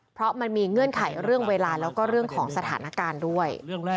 เพราะมันมีเงื่อนไขเรื่องเวลาแล้วก็เรื่องของสถานการณ์ด้วย